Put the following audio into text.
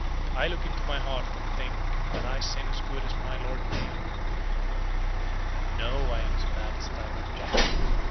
I look into my heart and think that I sin as good as my Lord Mayor, and know I am as bad as Tyburn Jack.